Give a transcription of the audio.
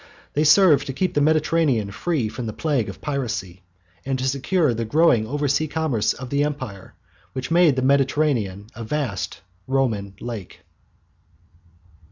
They served to keep the Mediterranean free from the plague of piracy, and to secure the growing oversea commerce of the Empire which had made the Mediterranean a vast Roman lake.